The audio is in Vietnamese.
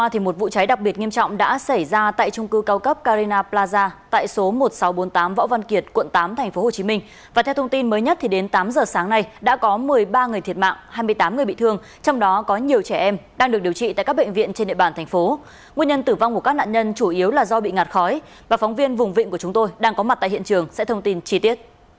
hãy đăng ký kênh để ủng hộ kênh của chúng mình nhé